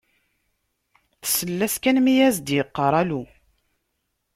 Tsell-as kan mi d as-d-yeqqar alu.